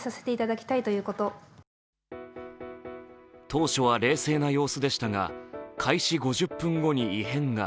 当初は冷静な様子でしたが、開始５０分後に異変が。